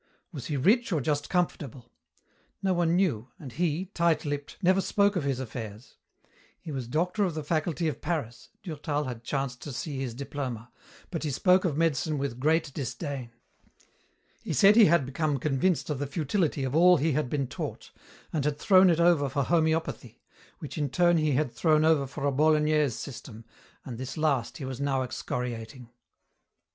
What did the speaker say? Was he rich or just comfortable? No one knew, and he, tight lipped, never spoke of his affairs. He was doctor of the Faculty of Paris Durtal had chanced to see his diploma but he spoke of medicine with great disdain. He said he had become convinced of the futility of all he had been taught, and had thrown it over for homeopathy, which in turn he had thrown over for a Bolognese system, and this last he was now excoriating.